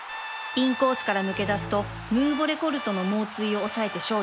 インコースから抜け出すとヌーヴォレコルトの猛追を抑えて勝利